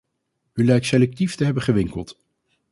U lijkt selectief te hebben gewinkeld.